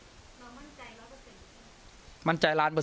เรามั่นใจแล้วก็เป็น